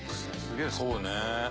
そうね。